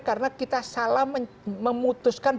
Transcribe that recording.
karena kita salah memutuskan